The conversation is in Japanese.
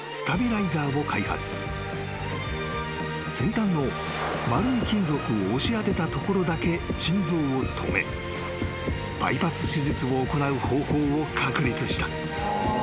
［先端の丸い金属を押し当てたところだけ心臓を止めバイパス手術を行う方法を確立した］